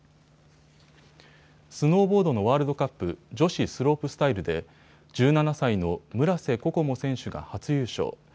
スノーボードのワールドカップ、女子スロープスタイルで１７歳の村瀬心椛選手が初優勝。